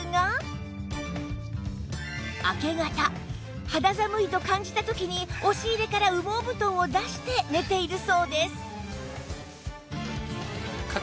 明け方肌寒いと感じた時に押し入れから羽毛布団を出して寝ているそうです